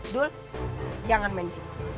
dul jangan main disini